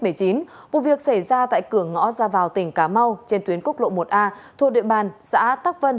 một việc xảy ra tại cửa ngõ ra vào tỉnh cá mau trên tuyến cốc lộ một a thuộc địa bàn xã tắc vân